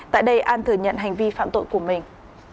tại đây an thừa nhận hành vi phạm tội của mình